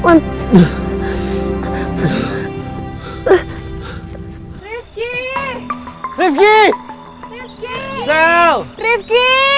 bencig asas juga tulis langsung